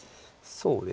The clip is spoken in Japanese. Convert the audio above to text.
そうですね。